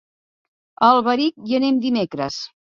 A Alberic hi anem dimecres.